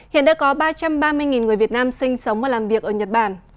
hiện đã có ba trăm ba mươi người việt nam sinh sống và làm việc ở nhật bản